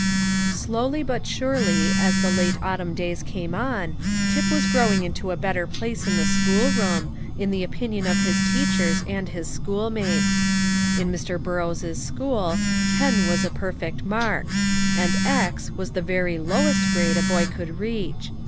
Slowly, but surely, as the late autumn days came on, Tip was growing into a better place in the schoolroom, in the opinion of his teachers and his schoolmates. In Mr. Burrows' school, ten was the perfect mark, and x was the very lowest grade a boy could reach.